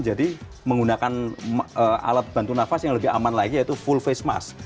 menggunakan alat bantu nafas yang lebih aman lagi yaitu full face mas